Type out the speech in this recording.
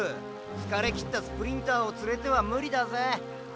疲れ切ったスプリンターを連れては無理だぜ。